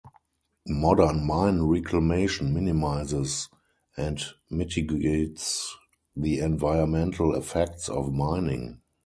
Modern mine reclamation minimizes and mitigates the environmental effects of mining.